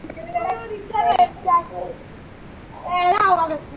আমি এখানে এসেছি একটা কারণে, আর সেটা তোমার আর আমার চেয়েও গুরুত্বপূর্ণ।